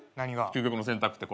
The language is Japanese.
究極の選択って。